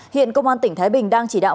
hiện công an tỉnh thái bình đang chỉ đạo